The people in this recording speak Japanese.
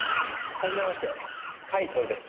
はじめまして甲斐享です。